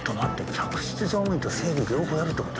客室乗務員と整備両方やるって事。